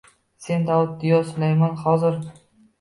Sen Dovud yo Sulaymon hozir